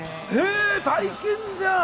大変じゃん。